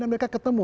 dan mereka ketemu